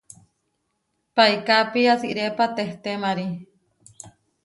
Paikápi asirépa tehtémari.